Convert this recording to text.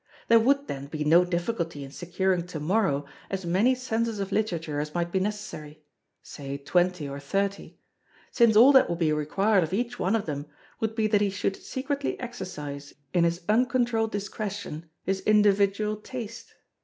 There would, then, be no difficulty in securing tomorrow as many Censors of Literature as might be necessary (say twenty or thirty); since all that would be required of each one of them would be that he should secretly exercise, in his uncontrolled discretion, his individual taste.